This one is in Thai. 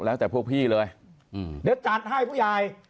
ฝากถึงฆาตการชั้นผู้ใหญ่